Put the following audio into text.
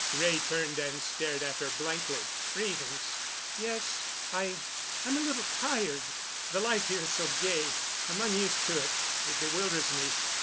Wray turned and stared at her blankly. "Reasons?" "Yes. I—I'm a little tired. The life here is so gay. I'm unused to it. It bewilders me."